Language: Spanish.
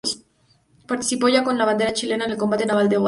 Participó, ya con bandera chilena, en el combate naval de Abtao.